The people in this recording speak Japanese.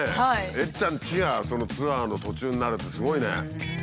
えっちゃんちがそのツアーの途中になるってすごいね。